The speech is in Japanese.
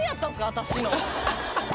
私の。